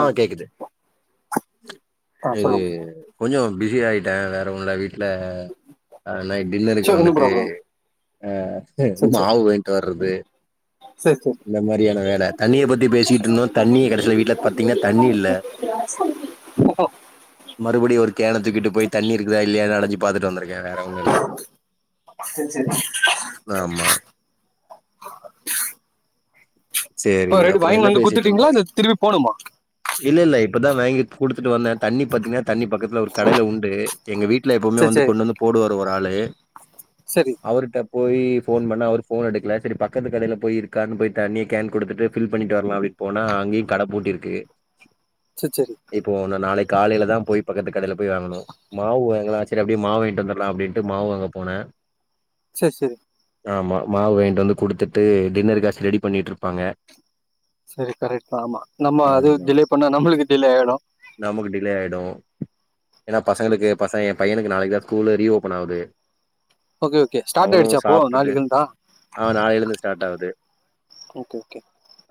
ஆ கேக்குது [inaudible] இது சொல்லுங்க கொஞ்சோ பிஸி ஆயிட்டே வேற ஒன்னு இல்ல வீ ட்டுல அ நைட் டின்னருக்கு சரி ஒன்றும் வந்துட்டு ப்ராப்ளம் அ சரி சரி மாவு வாயின்ட்டு வர்றது சரி இந்த மாரியான வேல தண்ணிய பத்தி பேசிக்கிட்டு இருந்தோ தண்ணியே கடசீல வீட்டுல பத்தீங்கன்னா தண்ணி இல்ல ஓஹோ மறுபடியு ஒரு கேண தூக்கிட்டு போய் தண்ணி இருக்குதா இல்லையானு அலஞ்சு பாத்துட்டு வந்துருக்க வேற ஒன்னு இல்ல செர் [inaudible] ஆமா சேரி இப்போ ரெடி அப்பறோ வாங்கி என்ன வந்து பேசிட்ருந்தோ குத்துட்டீங்களா இல்லை திருப்பி போகணுமா இல்ல இல்ல இப்பதா வாங்கி குடுத்துட்டு வந்த தண்ணி பாத்தின்னா தண்ணி பக்கத்துல ஒரு கடையில உண்டு எங்க வீட்டுல எப்பவுமே சரி வந்து கொண்டு வந்து போடுவாரு ஒரு ஆளு சரி அவுருட்ட போய் போன் பண்ண அவருபோன் எடுக்கல சரி பக்கத்து கடையில போய் இருக்கான்னு போய் தண்ணி கேன் குடுத்துட்டு ஃபில் பண்ணிட்டு வரலா அப்பிடின்னு போனா அங்கயு கட பூட்டிருக்கு செர் சேரி இப்போ ஒன்னு நாளைக் காலையில தா போய் பக்கத்து கடையில போய் வாங்கணு மாவு வாங்களா சேரி அப்படியே மாவு வாங்கிட்டு வந்தர்லா அப்டின்ட்டு மாவு வாங்க போன சேர் சேரி ஆமா மாவு வாயின்ட் வந்து குடுத்துட்டு டின்னர்ருகாச் ரெடி பண்ணீட்ருப்பாங்க சேரி கரெக்ட் தா ஆமா நம்ம அது டிலே பண்ணா நம்மளுக்கு டிலே ஆயிடு நமக்கு டிலே ஆயிடு ஏன்னா பசங்களுக்கு பசங்க ஏ பையனுக்கு நாளைக்கு தா ஸ்கூலு ரீஓபன் ஆவுது ஓகே ஓகே ஸ்டார்ட் ஆயிடுச்சா அப்போ சாப்ட்டுட்டு நாளைக்கு இருந்தா ஆ நாளைலயிருந்து ஸ்டார்ட் ஆவுது ஓகே ஓகே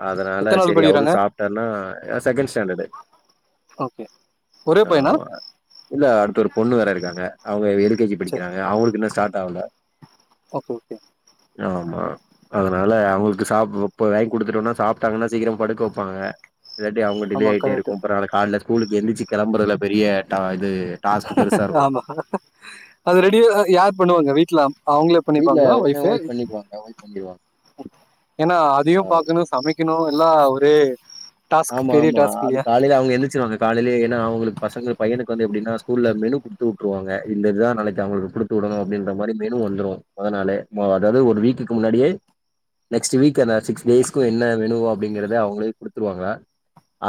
அதனால எத்தனை நாள் செரி அவரு படிக்கிறாங்க சாப்ட்டாருனா ஆ செகண்ட் ஸ்டாண்டடு ஒரே பையனா ஆமா இல்ல அடுத்து ஒரு பொண்ணு வேற இருக்காங்க அவுங்க எல் கே ஜி சரி படிக்கிறாங்க அவுங்களுக்கு இன்னு ஸ்டார்ட் ஆவுல ஓகே ஓகே ஆமா அதனால அவங்களுக்கு சாப்பு இப்ப வாங்கி குடுத்துட்டோனா சாப்ட்டாங்கன்னா சீக்கிரம்படுக்க வப்பாங்க இல்லாட்டி அவுங்க டிலே ஆமாம் ஆயிட்டே கரெக்டு இருக்கு அப்பறோ நாளைக்கி கால்ல ஸ்கூலுக்கு எழுந்திருச்சி கிளம்புறதுல பெரிய டா இது டாஸ்க் பெருசா இருக்கு ஆமா அது ரெடி யார் பண்ணுவாங்க வீட்ல அம் அவுங்களே வீட்ல பண்ணிப்பாங்ளா எ ஒய்ஃப்பு ஒய்ஃப் பண்ணிக்குவாங்க ஒய்ஃப் பண்ணிருவாங்க ஏனா அதையு ஆ பாக்கணு சமைக் க்ணு எல்லா ஒரே டாஸ்க் ஆமா பெரிய ஆமா டாஸ்க் அது இல்லையா காலைல அவுங்க எந்திரிச்சுருவாங்க காலேலே ஏனா அவுங்களுக்கு பசங்க பையனுக்கு வந்து எப்டினா ஸ்கூல்ல மெனு குடுத்து விட்டுருவாங்க இந்த இதுதா நாளைக்கி அவங்களுக்கு குடுத் துவிடணு அப்டின்ற மாரி மெனு வந்துரு மொதனாலே அதாவது ஒரு வீக்குக்கு முன்னாடியே நெக்ஸ்ட்டு வீக் அந்த சிக்ஸ் டேஸ்க்கு என்ன மெனுவோ அப்டிங்கறத அவங்களே குடுத் துருவாங்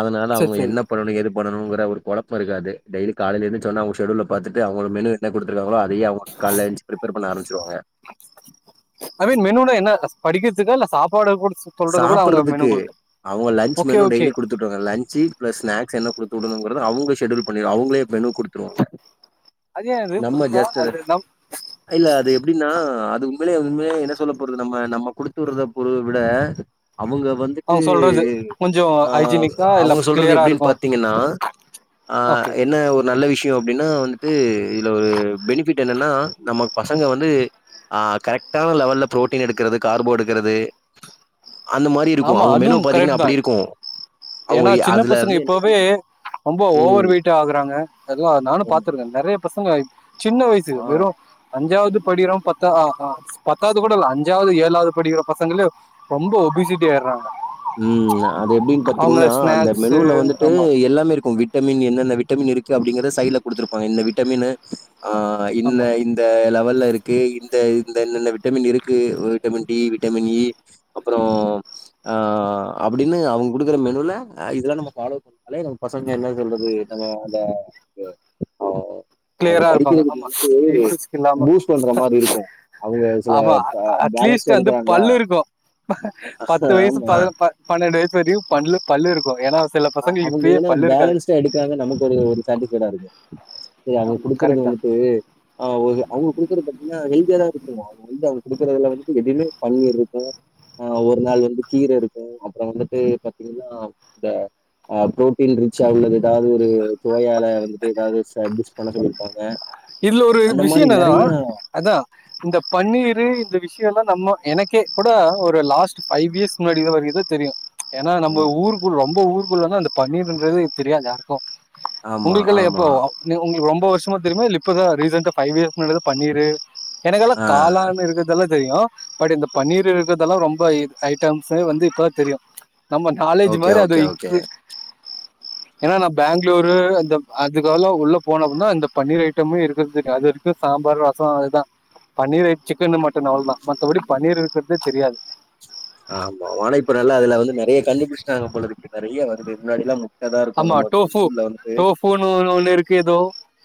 அதனால சரி அவுங்க சரி என்னப் பண்ணணு எது பண்ணணுங்கற ஒரு கொழப்ப இருக்காது டெய்லி கால எந்திருச்சோன அவுங்க செடியூல பாத்துட்டு அவுங்களோ மெனு என்ன குடுத்துருக்காங்களோ அதையே அவுங்க கால்ல ஏஞ்ச்சு ப்ரிப்பர் பண்ண ஆரம்பச்சுருவாங்க ஐ மீன் மெனு என்ன படிக்கிறதுக்கா இல்ல சாப்பாடு குடுச் சாப்றதுக்கு அவுங்க lunch okay menu okay daily குடுத் துட்றுவாங்க லஞ்ச்சு பிளஸ் ஸ்நாக்ஸ் என்ன குடுத்துவுடனுங்றத அவுங்க செடூல் பண்ணி அவுங்ளே மெனு குடுத்துருவாங்க அது ஏன் அது நம்ம புதுசா ஜாஸ்ட் அத அது நம் இல்ல அது எப்டீனா அது உண்மேலே உண்மேலே என்ன சொல்ல போறது நம்ம நம்ம குடுத்து விறத பொருள விட அவுங்க வந் வந்துட்டு அவங்க சொல்றது கொஞ்சோ ஆ ஹைஜீனிக்கா இல்ல அவுங்க சொல்றது கிளியரா எப்டின்னு இருக்கு பாத்தீங்கன்னா ஆ ஓகே என்ன ஒரு நல்ல விஷ் யோ அப்டின்னா வந்துட்டு இதுல ஒரு பெனிஃபிட் என்னன்னா நம்ம பசங்க வந்து ஆ கரெக்டான லெவல்ல ப்ரோட்டீன் எடுக்கறது கார்போ எடுக்றது ஆமா அதுவு பாத்தீங்கன்னா கரெக்ட் தா அப்டி இருக்கும். அவங்க ஏனா எ- சின்ன அதுல பசங்க வந்து என்ன- இப்பவே ரொம்ப ம். ஓவர் வெயிட்ட ஆகுறாங்க அதுவு நானு ஆமா. பாத்துருக்கே நெறைய பசங்க சின்ன வயசு ஆ. வெறு அஞ்சாவது படிகிறோ பத் தா அ பத்தாவது கூட இல்ல அஞ்சாவது ஏழாவது படிக்கிற பசங்களே ரொம்ப ஒபிசிட்டி ஆய்டுறாங்க ம் அது எப்டின்னு பாத்தீங்கன்னா அந்த ஸ்நாக்ஸு மெனுல வந்துட்டு ஆமாம் எல்லாமே இருக்கு விட் விட்டமின் என்ன என்ன விட்டமின் இருக்கு அப்டிங்கறத சைடுல குடுத்துருப்பாங்க இந்த விட்டமீனு ஆ இன்ன ஆமாம் இன் இந்த லெவல்ல இருக்கு இந்த இந்த என்னென்ன விட்டமின் இருக்கு விட்டமின் டி விட்டமின் இ அப்றோ அ அப்டின்னு அவுங்க குடுக்குற மெனுல இதெல்லா நம்ம ஃபாலோ பண் அலையு நம்ம பசங்க என்ன சொல்றது நம்ம அந்த அந்த ஆ அவுங்க கிளியராக இருப்பாங்க படிக்கிறதுக்கு ஆமாம் வந்து இஷ்யூஸ்க்கு இல்லாமல் பூஸ் பண்ற மாதிரி இருக்கு அவுங்க சில ஆமாம் பே பேலன்ஸ் அட்லீஸ்ட் வந்து எடுக்கிறாங்ளா பல்லு இருக்கும் பத்து வயசு பது பன்னெண்டு வயசு வரையு பல்லு பல்லு இருக்கு ஏனா சில பசங்களுக்கு இப்பயே பல்லு இருக்காது [unintelligible] எடுக்காங்க நமக்கு ஒரு ஒரு சாட்டிஃபைடா இருக்கு செரி அவுங்க ஆமாம் குடுக்குறது கரெக்ட் தான் வந்துட்டு ஆ அவுக அவுங்க் குடுக்குறது பாத்தீங்கன்னா ஹெல்தியா தா இருக்குக்கும்மா வந்து அவுங்க குடுக்குறதுல வந்து எதுமே பன்னீர் இருக்கு ஆ ஒரு நாள் வந்து கீர இருக்கு அப்றோ வந்துட்டு பாத்தீங்கன்னா இந்த ஆ ப்ரோட்டீன் ரிச்சா உள்ளது ஏதாவது ஒரு துவையால வந்துட்டு ஏதாவது ஸ்ச டிஷ் பண்ண சொல்லியிருப்பாங்க இதுல ஒரு இது விஷ்யோ என்னன்னா அதா. இந்த பன்னீரு இந்த விஷ்யோ எல்லா நம்ம எனக்கே கூட ஒரு லாஸ்ட் ஃபைவ் இயஸ் முன்னாடில வருகித தெரியு. ஏனா நம்ப ஊருக்குள் ரொம்ப ஊருக்குள் வந்து அந்த பன்னீருன்றதே தெரியாது யாருக்கு. ஆமா உங்குளுக்கெல்லா ஆமா எப்போ அவ் நெ உங்குளுக் ரொம்பொ வருஷ்மா தெரிமா இல்ல இப்பதா ரீசெண்டா ஃபைவ் இயஸ்கு முன்னாடிதா பன்னீரு எனக்கெல்லா ஆ காளான் இருக்குறதெல்லா தெரியு. பட் இந்த பன்னீர் இருக்கறதெல்லா ரொம்ப ஐ ஐட்டம்ஸே வந்து இப்பதா தெரியு. நம்ம நாலேஜ் ஓகே மாரி அது ஓகே ஓகே இம்ப்ரு. ஏனா நா பேங்ளூரு இந்தப் அதுக்காவல்லா உள்ள போன அப்றந்தா இந்த பன்னீர் ஐ ட்டம்மே இருக்கறது தெரியு அது வரிக்கு சாம்பார் ரசோ அதுதா. பன்னீர் ஐட் சிக்கன்னு மட்டன் அவுள்தா மத்தபடி பன்னீர் இருக்கற்தே தெரியாது. ஆமா வானா இப்ப நல்ல அதுல வந்து நறைய கண்டுபிடிச்டாங்க போலருக்கு நறைய வருது முன்னாடிலா மு ட்டதாருக்கு நம்ப கு ஸ்கூல்ல வந்துட்டு. போனு ஒன்னு ஒன்னு இருக்கு எதோ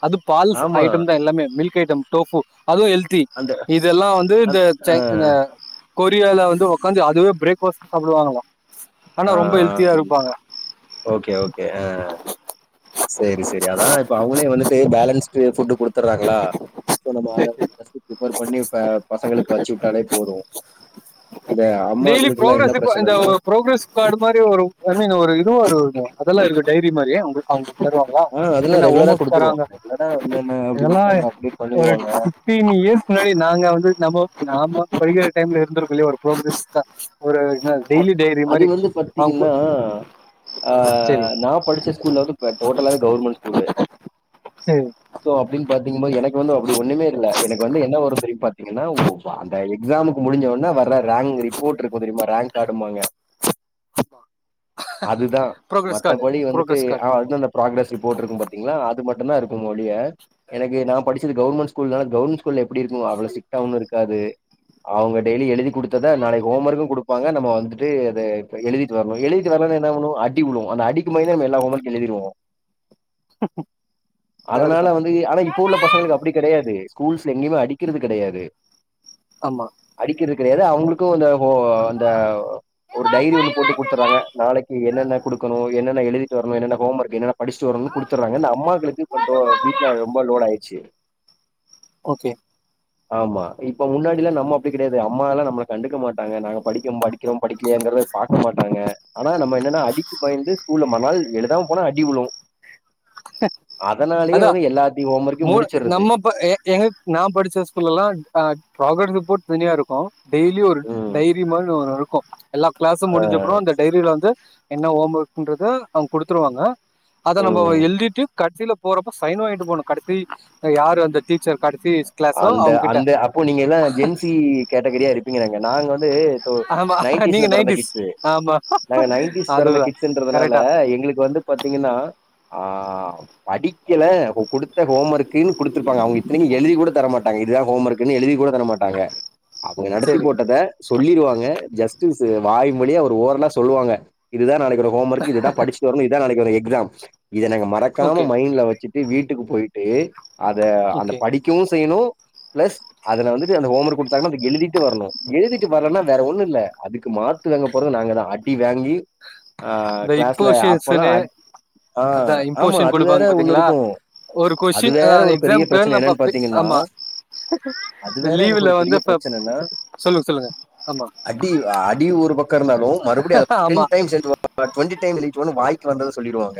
அது பால்ஸ் ஆமா ஐட்டம் தா எல்லாமே மில்க் ஐட்டம் டோஃபு அதுவு ஹெல் த்தி அந்த இதெல்லா வந்து இந்த அந் ஆ சை இந்த கொரியால வந்து ஒக்காந்தி அதுவே பிரேக்ஃபாஸ்ட்டா சாப்புடுவாங்களா ஆனா ஆ ரொம்ப ஹெல்த்தியா இருப்பாங்க. ஓகே ஓகே அ சேரி சேரி அதா இப்ப அவுங்களே வந்துட்டு பேலன்ஸ் டு ஃபுட்டு குடுத்தர்றாங்களா சோ நம்ம அத வந்து ஃபஸ்ட்டு பிரிப்பேர் பண்ணி பெ பசங்களுக்கு வெச்சு உட்டாலே போது. இந்த டெய்லி அம்மாக்களுக்குல்லா என்ன புரோக்ரெஸ் ரிப்போ இந்த பிரச்சனன்னா ஒ புரோக்ரெஸ் காடு மாரி ஒருப் ஐ மீனு ஒரு இதுவு வருதுங்க அதெல்லா இருக்குது டைரி மாரி அவுங்குள்க் அவுங்குள்க் தருவாங் வாவ் ஆ அதெல்லா இதென்ன ஓம் ரெகுலரா ஒக் குடுத்துருவாங்க தராங்க ரெகுலரா என்னென்ன இதெல்லா அப்டிங்கறத எ அவங்க அப்டேட் ஒருச் பண்ணிருவாங்க ஃபி ஃப்டீன் இயஸ்க்கு முன்னாடி நாங்க வந்து நம்போ நாம படிக்கிற டைம்ல இருந்துருக்கு இல்லையா ஒரு ப்ரோக்ரஸ் க அ அது வந்து அவங்க கு- பாத்திங்கன்னா அ சரி நா படிச்ச ஸ்கூல்ல வந்து இப்ப டோட்டலாவே கவுர்மெண் ஸ்கூலு. சேரி. சோ அப்டின் பாத்தீங்கம்போது எனக்கு வந்து அப்டி ஒன்னுமே இல்ல எனக்கு வந்து என்ன வரு திரும் பாத்தீங்கன்னா ஒ வ அந் த எக்ஸாமுக்கு முடிஞ்சவுன்ன வர்ற ரேங் ரிப்போட் இருக்கு தெரிமா ரேங்க் காடும்பாங்க. அதுதா ப்ரோக்ரஸ் கார்டு மத்தபடி வந்துட்டு ப்ரோக்ரஸ் கார்டு ஆ அதுதா அந்தப் ப்ராக்ரஸ் ரிப்போட் இருக்கும் பாத்தீங்ளா அது மட்டுந்தா இருக்குமொளிய எனக்கு நா படிச்சது கவுர்மெண் ஸ்கூல் நால கவுர்மெண் ஸ் கூல்ல எப்டி இருக்கும் அவ்ளோ ஸ்டிக்ட்டாவும் இருக்காது. அவுங்க டெய்லி எழுதி குடுத்தத நாளைக் ஹோம் ஒர்க்கு குடுப் ப்பாங்க நம்ம வந்துட்டு அத இப்ப எழுதிட்டு வர்ணு எழுதிட்டு வர்லனா என்னா பண்ணுவோ அடி உழுவு அந்த அடிக்கு பயந்தே நம்ம எல்லா ஹோம் ஒர்க்கு எழுதிருவோ. கரெக்ட் அதனால தான் வந் து ஆனா இப்ப உள்ள பசங்களுக்கு அப்டி கெடையாது. ஸ்கூல்ஸ்ல எங்கிமே அடிக்கிறது கெடையாது. அம்மா. அடிக்கிறது கெடையாது அவுங்களுக்கு அந்த ஹோ அந்த ஒரு டைரி ஒண்ணு போட்டு குட்த்தர்றாங்க. நாளைக்கி என்னென்ன குடுக்கணு என்னென்ன எழுதிட்டு வரணு என்னென்ன ஹோம் ஒர்க் என்னென்ன படிச்ட்டு வர்ணுன் குடுத்தர்றாங்க. இந்த அம்மாக்களுக்கு இப்போ டோ வீட்ல ரொம்போ லோடாயிர்ச்சு. ஓகே. ஆமா இப்ப முன்னாடில்லா நம்ம அப்டி கெடையாது. அம்மாலா நம்மள கண்டுக்க மாட்டாங்க நாங்க படி கம் படிக்கிறோ படிக்கலையாங்கிறத பாக்க மாட்டாங்க. ஆனா நம்ம என்னென்னா அடிக்கு பயந்து ஸ்கூல்ல மறுநாள் எழுதாம் போனா அடி விழு. அதனாலயே வந்து எல்லாத்தியு ஹோம் ஒர்க்கையு முடிச்சர்றது. இப்ப ஏ எங்கப் நா படிச்ச ஸ்கூல்லெல்லா ட் அ ப்ராகர்ஸ் ரிப்போட் தனியா இருக்கு. டெய்லியு ஒரு ம் டைரி மாரினு ஒரு இருக்கு. எல்லா கிளாஸு ஆ முடிஞ்சப்பறோ அந்த டைரில வந்து என்ன ஹோம் ஒர்க்ன்றத அவங்க குடுத்துருவாங்க அத நம்மோ ம் எழுதிட்டு கடைசில போறப்ப சைன் வாங்கிட்டு போணு கடசி யாரு அந்த டீச்சர் கடசி அந்த அந்த அப்போ நீங்கெல்லா ஜென் சி கேட்டகிரியா இருப்பீங்கன்னு நெனைக்கே நாங்க வந்து ஆமா நைன்ட்டீஸ்ல நீங்க பெறந்த நைன்டிஸ் கிட்ஸ் ஆமா நாங்க நைன்ட்டீஸ் பெறந்த அதுதா கிட்ஸ்ன்றதுனால கரெக்டா எங்களுக்கு வந்து பாத்தீங்கன்னா ஆ படிக்கல குடுத்த ஹோம் ஒர்க்கன்னு குடுத்துருப்பாங்க அவங்க இத்தனைக்கு எழுதி கூட தர மாட்டாங்க இதுதா ஹோம் ஒர்க்ன்னு எழுதி கூட தர மாட்டாங்க அவங்க நடத்தி சரி போட்டத சொல்லிருவாங்க ஜஸ்டிஸ் வாய் வழியா ஒரு ஓரலா சொல்லுவாங்க இதுதா நாளைக்கு வரு ஹோம் ஒர்க் இதுதா படிச்சுட்டு வரணு இதா நாளைக்கு வரு எக்ஸாம் இத நாங்க மறக்காம ஓகே மைண்ட்ல வச்சுட் டு வீட்டுக்கு போயிட்டு அத அந்த ஓகே படிக்கவு செய்யணு பிளஸ் அதுல வந்துட்டு அந்த ஹோம் ஒர்க் குடுத் தாங்கன்னா அத எழுதிட்டு வரணு எழுதிட்டு வரலன்னா வேற ஒண்ணுல்ல அதுக்கு மாத்து வாங்க போறது நாங்கதா அடி வாங்கி ஆ இந்த கிளாஸ்ல அப்பல்லா இம்போஷன்ஸ்ன்னு அ ஆ அதா ஆமா இம்போஷன் அது வேற குடுப்பாங்க ஒன்னு பாத்தீங்களா இருக்கு ஒரு அது கொஸ்டின் வேற ஒரு பெரிய எக்ஸாம்க்கு பிரச்சனை நம்ம என்னன்னு பாத்தீங்கன் னா ஆமா அது இந்த வேற எனக்கு லீவுல ஒரு வந்து பெரிய இப்ப பிரச்சனைன்னா சொல்லுங்க சொல்லுங்க ஆமா அடி அடி ஒரு பக்கோ இருந்தாலு மறுபடியு அத டென் ஆமா டைம்ஸ் எழுதீட்டு வா டுவென்டி டைம் எழுதீட்டு வான்னு வாய்க்கு வந்தத சொல்லிடுவாங்க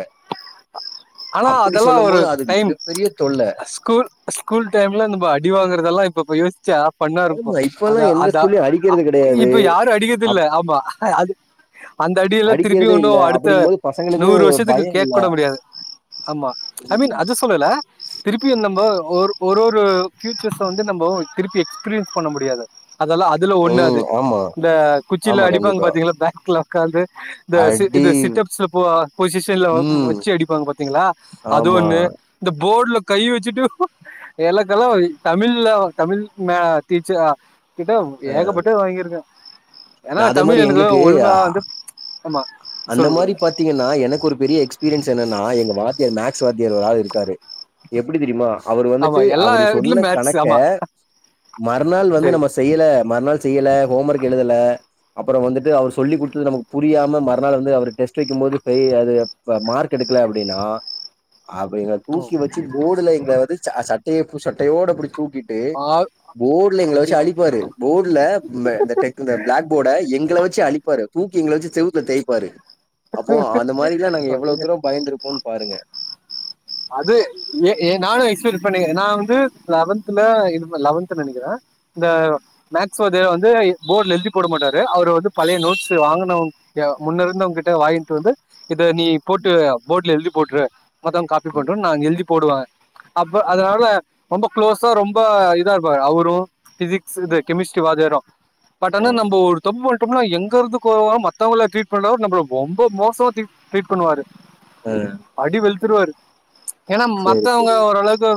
ஆனா அதெல்லா ஒரு அது டைம் மிகப்பெரிய தொல்ல ஸ்கூல் ஸ்கூல் டைம்ல நம்ம அடி வாங்குறதெல்லா இப்ப யோசிச்சா ஃபன்னா இருக்கு ஆமா இப்பல்லா அத எந்த அதா ஸ்கூல்லயு ஆ அடிக்கிறது கெடையாது இப்ப யாரு அடிக்கிறது அப் இல்ல ஆமா அது அந்த அடியல்லா திருப்பியு அடிக்கிறதே இன்னு இல்ல அடுத்த அப்டிங்கும்போது பசங்களுக்கு நூறு வருஷத்துக்கு பய கேக்க இல்ல கூட முடியாது ஆமா ஐ மீன் அத சொல்லல திருப்பியு நம்ம ஒரு ஒரு ஒரு பியூச்சர்ஸ்ஸ வந்து நம்ம திருப்பி எக்ஸ்பீரியன்ஸ் பண்ண முடியாது அதெல்லா அதுல ஒண்ணு அது ம் ஆமா இந்த குச்சில ஆமா அடிப்பாங்க கண்டிப்பா பாத்தீங்களா பேக்ல ஒக்காந்து இந்த சி இது அடி சிட்டப்ஸ்ல போ பொசிஷன்ல வ ம் வச்சி அடிப்பாங்க பாத்தீங்களா அது ஆமா ஒன்னு இந்த போர்ட்ல கை வச்சிட்டு எலக்கெல்லா தமிழ்ல தமிழ் மே டீச்ச கிட்ட ஏகப்பட்டது வாங்கிருக்கே ஏன்னா நான் அதே தமிழ் மாரி எனக்கு ஒழுங்கா எங்களுக்கு வந்து ஆமா அந்த சொல்லுங்க மாரி சொல்லுங்க பாத்தீங்கன்னா எனக்கு ஒரு பெரிய எக்ஸ்பீரியன்ஸ் என்னன்னா எங்க வாத்தியர் மேக்ஸ் வாத்தியர் ஒரு ஆளு இருக்காரு எப்டி தெரியுமா அவர் ஆமா வந்துட்டு எல்லா அவரு சொன்ன இதுலயும் மேட்ச் கணக்க ஆமா மறுநாள் வந்து சரி நம்ம செய்யல மறுநாள் செய்யல ஹோம் ஒர்க் எழுதல அப்பறோ வந்துட்டு அவர் சொல்லிக் குடுத்தது நமக்கு புரியா ம மறுநாள் வந்து அவரு டெஸ்ட் வைக்கும்போது பெயில் அது மார்க் எடுக்கல அப்டின்னா அப்ப எங்க ம். தூக்கி வச்சி போர்ட்ல எங்கள வந்து சட்டைய சட்டையோட அப்டி தூக்கிட் ஏய் ஆ- போர்ட்ல எங்கள வச்சி ஏ- அழிப்பாரு போர்ட்ல இந்த டெக் இந்த பிளாக் போர்ட எங்கள வச்சி அழிப்பாரு தூக்கி எங்கள வச்சி செவுத்துல தேய்ப்பாரு அப்ப அந்த மாரில்லா நாங்க எவ்வளவு தூரோ பயந்துருப்போன்னு பாருங்க அது எ எ நானு எஸ்பர்ட் பண்ணி நா வந்து லெவன்த்ல இது லெவன்த் நெனைக்கிறே இந்த மேக்ஸ் வாத்தியார் வந்து போர்ட்ல எழுதி போட மாட்டாரு அவரு வந்து பழைய நோட்ஸ் வாங்கனவங் யா முன்ன இருந்தவங்ககிட்ட வாங்கிட்டு வந்து இத நீ போட்டு போர்ட்ல எழுதி போட்டுரு மத்தவங்க காப்பி ம் பண்ணட்டு நா எழுதி போடுவே அப்ப அதனால ரொம்ப குளோஸா ரொம்ப இதா இருப்பாரு அவரு பிசிக்ஸ் இது ம் கெமிஸ்ட்ரி வாத்தியாரு பட் ஆ ஆனா நம்ம ஒரு தப்பு பண் [unintelligible] எங்க இருந்து கோவோ வரு மத்தவங்கள ட்ரீட் பண்றாரு நம்மள ரொம்ப மோசமா ட்ரீட் ட்ரீட் பண்ணுவாரு ஆ அடி வெளுத்துருவாரு ஏனா சேரி மத்தவங்க சேரி ஓரளவுக்கு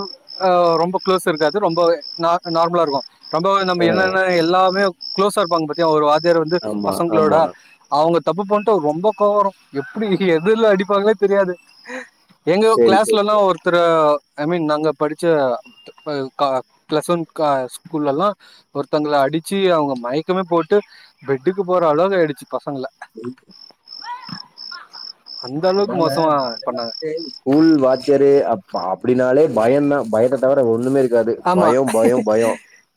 அ ரொம்ப க்ளோஸ் இருக்காது ரொம்ப நா நார்மலா இருக்கு ரொம்ப நம்ம ஆ என்னன்ன எல்லாமே குளோஸா இருப்பாங்க பத்தி ஒரு வாத்தியார் வந்து ஆமா பசங்ளோட ஆமா அவங்க தப்பு பண்ட்டு ரொம்ப கோவ வரு எப்டி எதுல அடிப்பாங்ளே தெரியாது எங்க சேரி சேரி கிளாஸ்லலா சேரி ஒருத்தர ஐ மீன் நாங்க படிச்ச க பிளஸ் ஒன் க ஸ்கூலல்லா ஒருத்தங்கள அடிச்சி அவங்க மயக்கமே போட்டு பெட்டுக்கு போற அளவுகு ஆயிடுச்சு பசங்கள உ அந்த அளவுக்கு அதனால நால மோசமாக எல்லா பண்ணாங்க தேய் ஸ்கூல் வாத்தியாரு அப் அப்டினாலே பயந்தா பயத்த தவிர ஒண்ணுமே இருக் ஆமா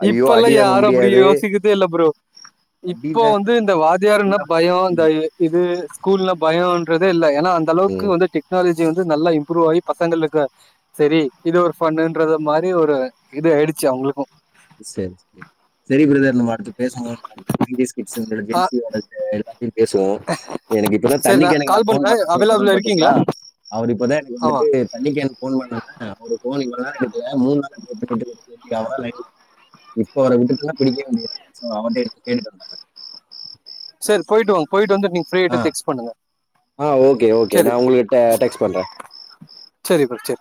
ஐயோ இப்பல்லா அடி வாங்க யாரு அப்டி முடியாது யோசிக்கதே இல்ல ப்ரோ அடி இப்போ வாங்க வந்து இந்த வாத்தியார்னா எல்லா பயோ பக்கமு இந்த இது ஸ்கூல்னா பயோன்றதே இல்ல ஏனா அந்த ம் அளவுக்கு வந்து டெக் டெக்னாலஜி வந்து நல்லா இம்ப்ரூவ் ஆகி பசங்களுக்கு சரி இது ஒரு ஃபண்ணுன்றது மாரி ஒரு இது ஆயிடுச்சு அவங்களுக்கு சரி சரி சரி பிரதர் நம்ம அடுத்து பேசும் போது ஆ [unintelligible] பேசுவோ எனக்கு இப்பதா சரி தண்ணி கேனுக்கு கால் நான் போன் பண்றேன். பண்ண சொல்லி தோணு அவைலபிளா பாத்தீஙளா இருக்கீங்களா? அவர் இப்பதா அது ஆமா. வந்துட்டு தண்ணி கேனுக்கு போன் பண்ணல ஒரு போன் இவள நேர எடுக்கல மூண் நாளா ட்ரை பண்ணிட்டு இருக்க இப்ப அவர விட்டுடனா பிடிக்கவே முடியாது சோ அவன்ட எடுத்து கேட்டுட்டு வந்தற சரி போயிட்டு வாங்க போயிட்டு வந்துட் நீங் ஆ ஆ ஓகே ஓகே நா சரி, உங்களுக்கு ட டெக்ஸ்ட் பண்ற சரிப்பா சரி